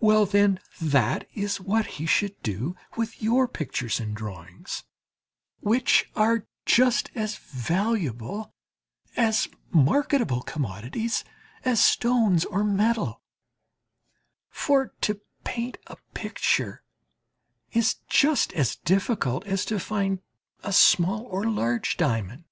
Well, then, that is what he should do with your pictures and drawings, which are just as valuable as marketable commodities as stones or metal; for to paint a picture is just as difficult as to find a small or large diamond.